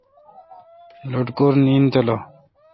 لٹکور نیند تیلو۔